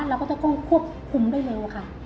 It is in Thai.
เราก็จะต้องควบคุมได้เร็วค่ะ